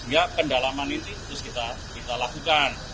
ya pendalaman ini terus kita lakukan